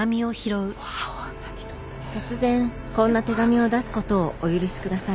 「突然こんな手紙を出すことをお許しください」